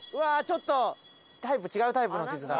ちょっとタイプ違うタイプの地図だ。